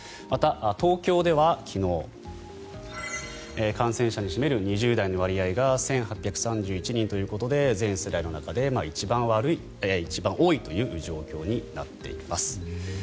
また、東京では昨日感染者に占める２０代の割合が１８３１人ということで前世代の中で一番多いという状況になっています。